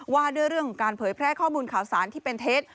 ว่าด้วยเรื่องของการเผยแพร่ข้อมูลข่าวสารที่เป็นเท็จ